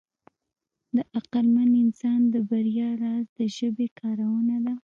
د عقلمن انسان د بریا راز د ژبې کارونه ده.